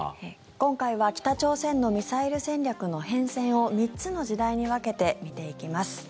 今回は北朝鮮のミサイル戦略の変遷を３つの時代に分けて見ていきます。